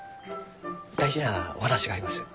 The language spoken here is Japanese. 大事なお話があります。